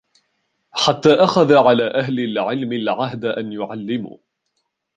حَتَّى أَخَذَ عَلَى أَهْلِ الْعِلْمِ الْعَهْدَ أَنْ يُعَلِّمُوا